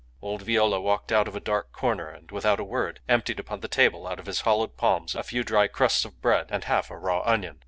Old Viola walked out of a dark corner, and, without a word, emptied upon the table out of his hollowed palms a few dry crusts of bread and half a raw onion.